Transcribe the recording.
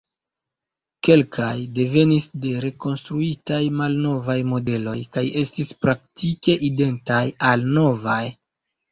Kelkaj devenis de rekonstruitaj malnovaj modeloj kaj estis praktike identaj al novaj.